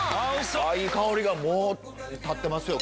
いい香りがもう立ってますよ。